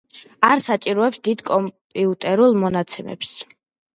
არ საჭიროებს დიდ კომპიუტერულ მონაცემებს.